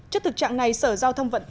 trước thực trạng này sở giao thông vận hành